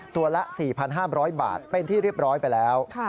ตัวละ๔๕๐๐บาทเป็นที่เรียบร้อยไปแล้ว